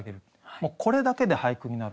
もうこれだけで俳句になる。